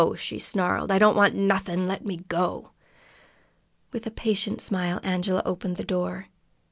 she snarled. "I don't want nothin'! Let me go!" With a patient smile Angela opened the door.